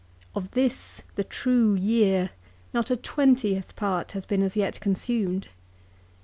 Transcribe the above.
Of this, the true year, not a twentieth part has been as yet consumed.